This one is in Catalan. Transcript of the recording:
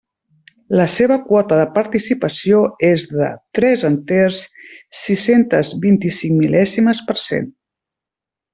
La seva quota de participació és de tres enters, sis-centes vint-i-cinc mil·lèsimes per cent.